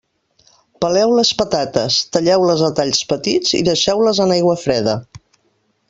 Peleu les patates, talleu-les a talls petits i deixeu-les en aigua freda.